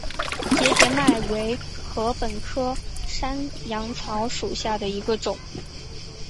节节麦为禾本科山羊草属下的一个种。